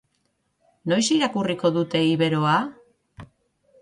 Noiz irakurriko dute iberoa?